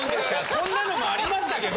こんなのもありましたけど。